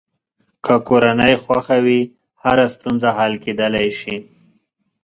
که کورنۍ خوښه وي، هره ستونزه حل کېدلی شي.